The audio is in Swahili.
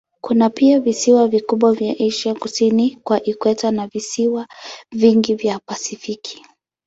Kuna pia visiwa vikubwa vya Asia kusini kwa ikweta na visiwa vingi vya Pasifiki.